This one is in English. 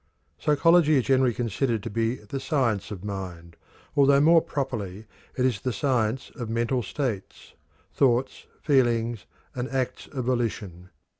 Psychology is generally considered to be the science of mind, although more properly it is the science of mental states thoughts, feelings, and acts of volition.